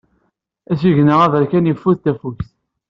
Asigna aberkan yeffud tafukt.